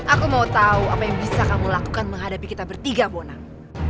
aku mau tahu apa yang bisa kamu lakukan menghadapi kita bertiga bonang